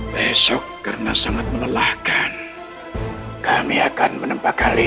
besok karena sangat menelahkan kami akan menempah kalian